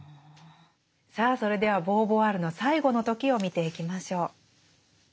さあそれではボーヴォワールの最後の時を見ていきましょう。